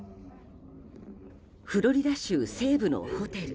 フロリダ州西部のホテル。